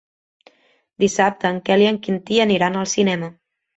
Dissabte en Quel i en Quintí aniran al cinema.